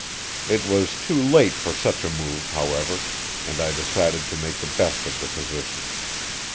It was too late for such a move, however, and I decided to make the best of the position.